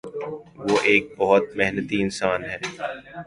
وہ ایک بہت محنتی انسان ہے۔